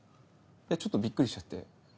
ちょっとビックリしちゃって。